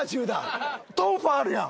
トンファーあるやん！